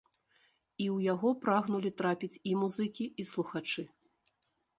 І ў яго прагнулі трапіць і музыкі, і слухачы.